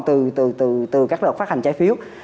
từ các lợi phát hành trái phiếu